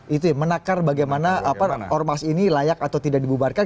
itu ya menakar bagaimana ormas ini layak atau tidak dibubarkan